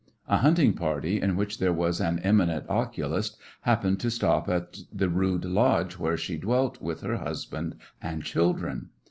A hunting party, in which there was an eminent oculist, happened to stop at the rude lodge where she dwelt with her husband and children.